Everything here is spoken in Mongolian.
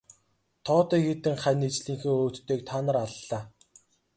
Тоотой хэдэн хань ижлийнхээ өөдтэйг та нар аллаа.